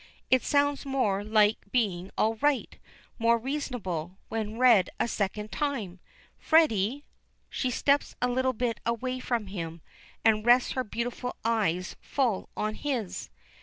"It sounds more like being all right, more reasonable, when read a second time. Freddy " She steps a little bit away from him, and rests her beautiful eyes full on his.